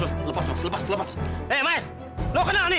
bapak tahu ibu lara anak kurang ajar